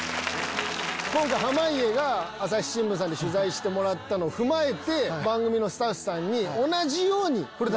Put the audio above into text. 今回濱家が朝日新聞さんで取材してもらったのを踏まえて番組のスタッフさんに。